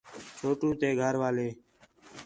چھوٹو تے گھر والے